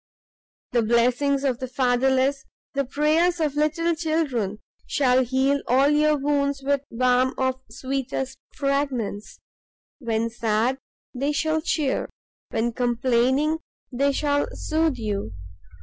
The blessings of the fatherless, the prayers of little children, shall heal all your wounds with balm of sweetest fragrance. When sad, they shall cheer, when complaining, they shall soothe you.